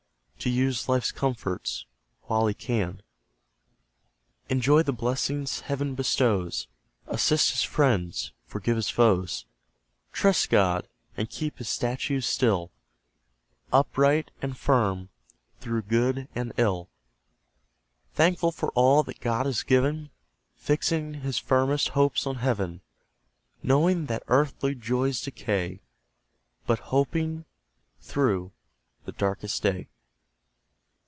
To use life's comforts while he can, Enjoy the blessings Heaven bestows, Assist his friends, forgive his foes; Trust God, and keep His statutes still, Upright and firm, through good and ill; Thankful for all that God has given, Fixing his firmest hopes on Heaven; Knowing that earthly joys decay, But hoping through the darkest day.